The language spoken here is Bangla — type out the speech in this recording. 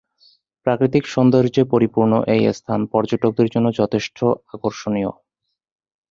প্রাকৃতিক সৌন্দর্যে পরিপূর্ণ এই স্থান পর্যটকদের জন্য যথেষ্ট আকর্ষণীয়।